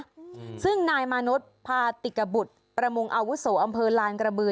อืมซึ่งนายมานุษย์พาติกบุตรประมงอาวุโสอำเภอลานกระบือ